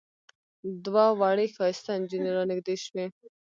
دوه وړې ښایسته نجونې را نږدې شوې.